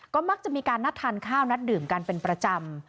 ก็มักจะมีการนัดทานข้าวนัดดื่มกันเป็นประจำ